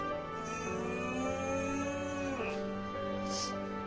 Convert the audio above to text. うん。